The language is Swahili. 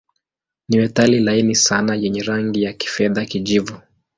Ni metali laini sana yenye rangi ya kifedha-kijivu.